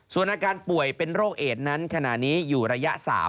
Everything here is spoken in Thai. ส่วนอาการป่วยเป็นโรคเอดนั้นขณะนี้อยู่ระยะ๓